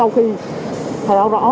cũng phải khai rõ rõ trong giấy